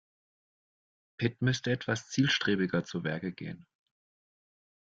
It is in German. Pit müsste etwas zielstrebiger zu Werke gehen.